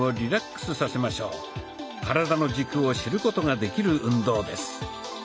体の軸を知ることができる運動です。